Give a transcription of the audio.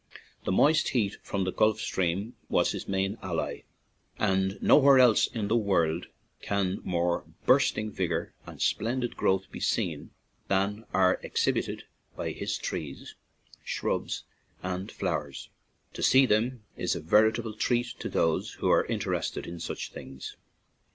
The moist heat from the Gulf Stream was his main ally, and nowhere else in the world can more bursting vigor and splendid growth be seen than are exhibited by his trees, shrubs, and flowers; to see them is a veritable treat to those who are interested in such things.